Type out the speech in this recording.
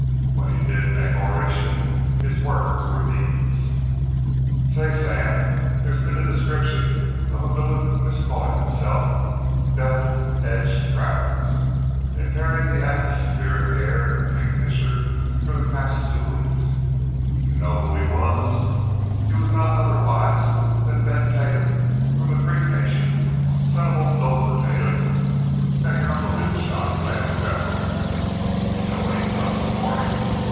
When he did make oration, his words were these: "Say, Sam, there's been a description of a galoot miscallin' himself Bevel edged Travels impairing the atmospheric air of Kingfisher for the past two weeks. You know who he was? He was not otherwise than Ben Tatum, from the Creek Nation, son of old Gopher Tatum that your Uncle Newt shot last February. You know what he done this morning?